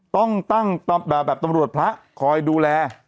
ต้องตั้งแบบตำรวจพระคอยดูแล